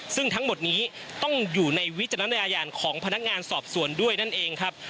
ซึ่งทั้งหมดนี้ต้องอยู่ในวิจารณญาณของพนักงานสอบสวนด้วยนั่นเองครับ